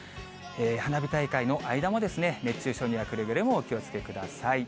花火大会の間も、熱中症にはくれぐれもお気をつけください。